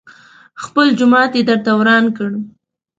خپل جومات يې درته وران کړ.